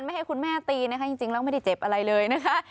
ให้คุณแม่ตีนะคะจริงแล้วไม่ได้เจ็บอะไรเลยนะคะ